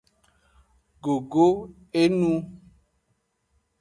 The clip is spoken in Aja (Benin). Gogo enu.